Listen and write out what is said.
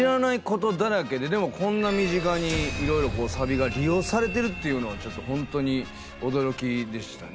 でもこんな身近にいろいろサビが利用されてるっていうのはちょっと本当に驚きでしたね。